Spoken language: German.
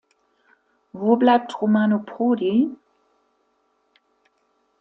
Wo bleibt Romano Prodi?